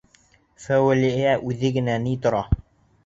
Фәүәлиә үҙе генә лә ни тора!